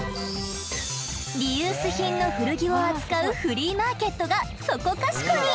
リユース品の古着を扱うフリーマーケットがそこかしこに！